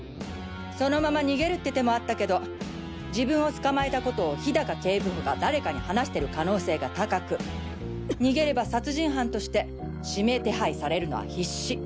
そのまま逃げるって手もあったけど自分を捕まえた事を氷高警部補が誰かに話してる可能性が高く逃げれば殺人犯として指名手配されるのは必至！